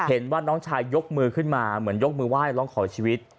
น้องชายยกมือขึ้นมาเหมือนยกมือไหว้ร้องขอชีวิต